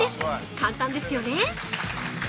簡単ですよね？